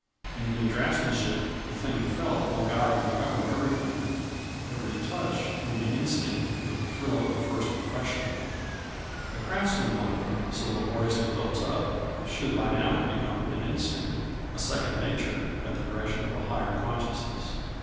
In good draughtsmanship the thing felt will guide and govern everything, every touch will be instinct with the thrill of that first impression. The craftsman mind, so laboriously built up, should by now have become an instinct, a second nature, at the direction of a higher consciousness.